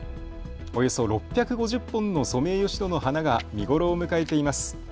およそ６５０本のソメイヨシノの花が見頃を迎えています。